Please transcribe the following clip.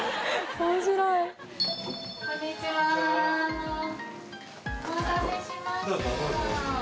お待たせしました。